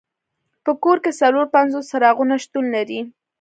په کور کې څلور پنځوس څراغونه شتون لري.